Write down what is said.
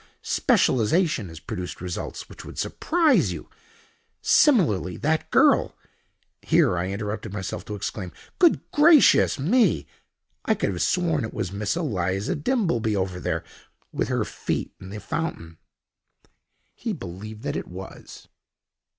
Specialization has produced results which would surprise you. Similarly, that girl——" Here I interrupted myself to exclaim: "Good gracious me! I could have sworn it was Miss Eliza Dimbleby over there, with her feet in the fountain!" He believed that it was.